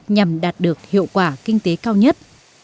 nhằm đạt được hiệu quả kinh tế cao nhất